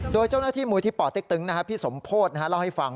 โดยเจ้าหน้าที่มูลที่ป่อเต็กตึงพี่สมโพธิเล่าให้ฟัง